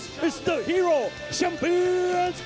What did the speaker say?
ชัมเปียร์ชัมเปียร์ชัมเปียร์